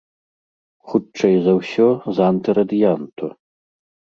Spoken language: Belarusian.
Хутчэй за ўсё, з антырадыянту.